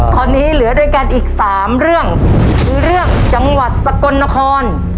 ตอนนี้เหลือด้วยกันอีกสามเรื่องคือเรื่องจังหวัดสกลนคร